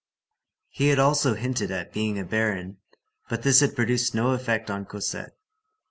He had also hinted at being a baron, but this had produced no effect on Cosette.